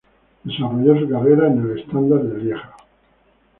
Desarrolló su carrera en el Standard Lieja.